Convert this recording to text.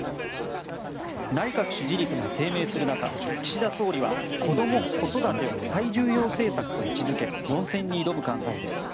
内閣支持率が低迷する中岸田総理は子供・子育てを最重要政策と位置づけ論戦に挑む考えです。